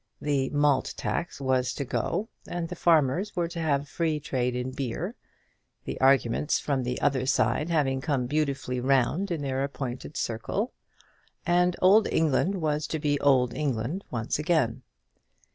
The malt tax was to go, and the farmers were to have free trade in beer, the arguments from the other side having come beautifully round in their appointed circle, and old England was to be old England once again.